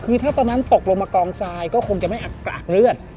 คือถ้าตอนนั้นตกลงมากองทรายก็คงจะไม่อักกรากเลือด